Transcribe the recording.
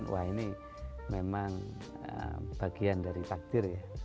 wah ini memang bagian dari takdir ya